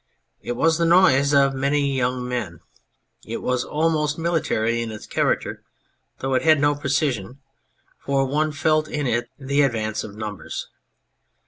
It was the noise of many young men. It was almost military in its character, though it had no precision, for one felt in it the advance of numbers.